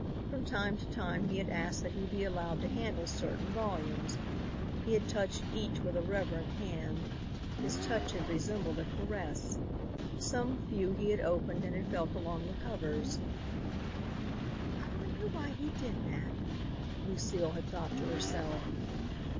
From time to time he had asked that he be allowed to handle certain volumes. He had touched each with a reverent hand. His touch had resembled a caress. Some few he had opened and had felt along the covers. "I wonder why he did that," Lucile had thought to herself.